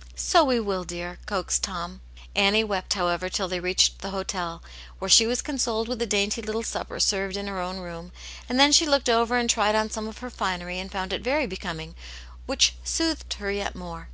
" So we will, dear," coaxed Tom. Annie wept, however, till they reached the hotel, where she was consoled with a dainty little supper served in her own room, and then she looked over and tried on some of her finery and found it very becoming, which soothed her yet more.